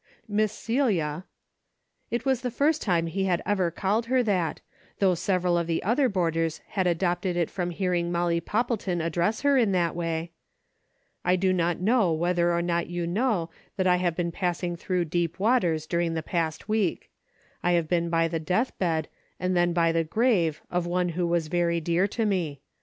" Miss Celia," it was the first time he had ever called her that, though several of the other boarders had adopted it from hearing Molly Poppleton address her in that way, " I do not know whether or not you know that I have been passing through deep waters during DAILY bate:' 329 the past week ; I have been by the deathbed and then by the grave of one Avho was very dear to me.